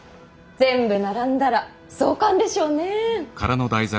全部並んだら壮観でしょうね。